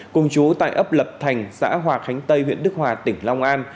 cùng chú tại ấp lập thành xã hòa khánh tây huyện đức hòa tỉnh long an